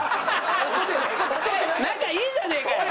仲いいじゃねえかよ。